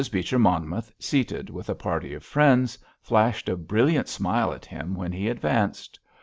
Beecher Monmouth, seated with a party of friends, flashed a brilliant smile at him when he advanced.